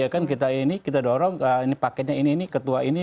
kita dorong paketnya ini ketua ini